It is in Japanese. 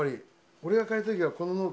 俺が借りた時はこのノート。